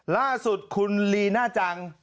ล่าสุดคุณลีน่าจัง